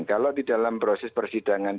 kalau di dalam proses persidangan